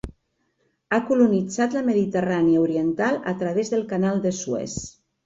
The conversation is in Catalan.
Ha colonitzat la Mediterrània oriental a través del Canal de Suez.